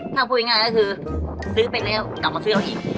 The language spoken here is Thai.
ถ้าพูดง่ายก็คือซื้อไปแล้วกลับมาซื้อเอาอีก